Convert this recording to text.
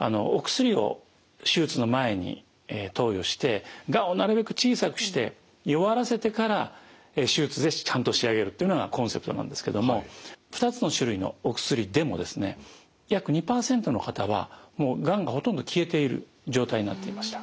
お薬を手術の前に投与してがんをなるべく小さくして弱らせてから手術でちゃんと仕上げるというのがコンセプトなんですけども２つの種類のお薬でもですね約２％の方はがんがほとんど消えている状態になっていました。